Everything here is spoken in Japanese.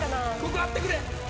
ここあってくれ！